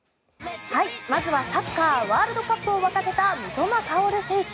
まずはサッカーワールドカップを沸かせた三笘薫選手。